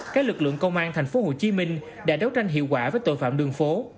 các lực lượng công an tp hcm đã đấu tranh hiệu quả với tội phạm đường phố